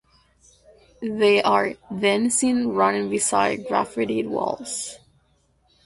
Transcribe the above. They are then seen running beside graffitied walls.